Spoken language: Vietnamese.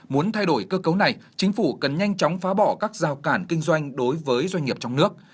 muốn thay đổi cơ cấu này chính phủ cần nhanh chóng phá bỏ các giao cản kinh doanh đối với doanh nghiệp trong nước